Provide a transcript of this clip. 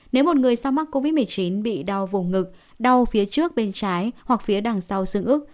nếu một người sau mắc covid một mươi chín bị đau vùng ngực đau phía trước bên trái hoặc phía đằng sau sưng ức